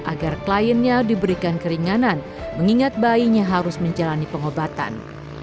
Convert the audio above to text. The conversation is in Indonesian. agar kliennya diberikan keringanan mengingat bayinya harus menjalani pengobatan